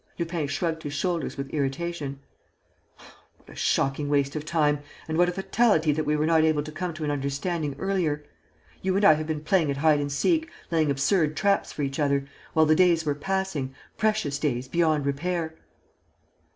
Lupin shrugged his shoulders with irritation: "What a shocking waste of time! And what a fatality that we were not able to come to an understanding earlier! You and I have been playing at hide and seek, laying absurd traps for each other, while the days were passing, precious days beyond repair."